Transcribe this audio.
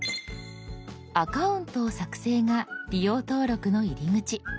「アカウントを作成」が利用登録の入り口。